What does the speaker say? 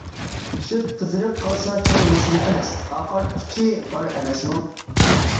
سۈت قىزىرىپ قالسا چوڭ مەسىلە ئەمەس، ئاقارتقۇچ بار ئەمەسمۇ!